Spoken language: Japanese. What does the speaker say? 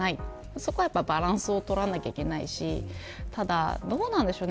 そこはバランスを取らないといけないしどうなんでしょうね。